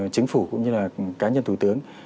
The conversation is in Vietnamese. chính phủ cũng như là cá nhân thủ tướng